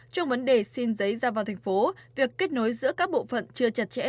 trong vấn đề xin giấy ra vào thành phố việc kết nối giữa các bộ phận chưa chặt chẽ